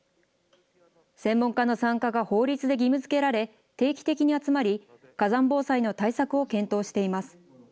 専門家の参加が法律で義務づけられ、定期的に集まり、火山防災の対策を検討しています。